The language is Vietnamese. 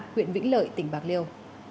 huyện vĩnh lợi tỉnh bạc liêu